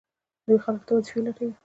دوی خلکو ته وظیفې لټوي.